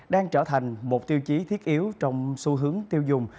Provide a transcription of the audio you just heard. đang trở thành một tiêu chí thiết yếu trong xu hướng tiêu dùng